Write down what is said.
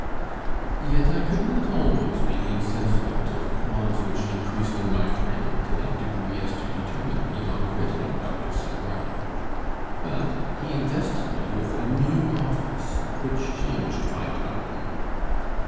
Yet I could not always be insensible to the qualms which increased in my frame, to that degree as to determine me on quitting Dr. Sangrado. But he invested me with a new office which changed my tone.